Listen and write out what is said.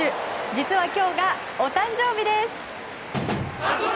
実は、今日がお誕生日です。